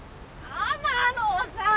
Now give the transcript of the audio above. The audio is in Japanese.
天野さん